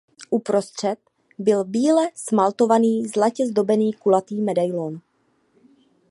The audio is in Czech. Uprostřed byl bíle smaltovaný zlatě zdobený kulatý medailon.